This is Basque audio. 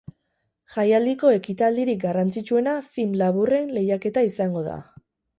Jaialdiko ekitaldirik garrantzitsuena film laburren lehiaketa izango da.